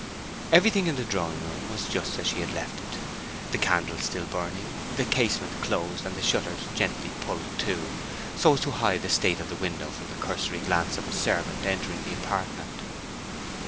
Everything in her drawing room was just as she had left it—the candles still burning, the casement closed, and the shutters gently pulled to, so as to hide the state of the window from the cursory glance of a servant entering the apartment.